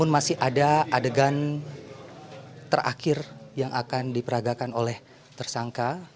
ini adalah adegan terakhir yang akan diperagakan oleh tersangka